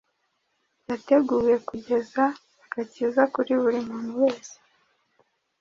yateguye kugeza agakiza kuri buri muntu wese.